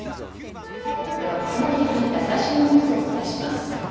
ここまでに入った最新のニュースをお伝えします。